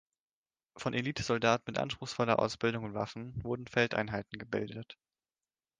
Von Elitesoldaten mit anspruchsvoller Ausbildung und Waffen wurden Feldeinheiten gebildet.